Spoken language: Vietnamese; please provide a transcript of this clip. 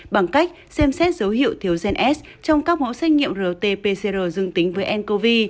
bằng cách xem xét dấu hiệu thiếu gens trong các mẫu xét nghiệm rt pcr dương tính với ncov